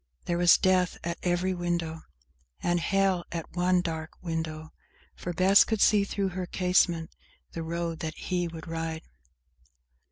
There was death at every window; And hell at one dark window; For Bess could see, through her casement, the road that he would ride.